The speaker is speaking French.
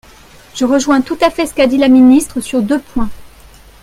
Je rejoins tout à fait ce qu’a dit la ministre sur deux points.